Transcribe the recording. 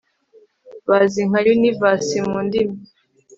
bazi nka yunivasi mu ndimi